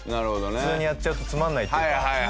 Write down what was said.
普通にやっちゃうとつまんないっていうか。